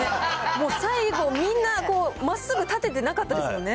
もう最後、みんなまっすぐ立ててなかったですもんね。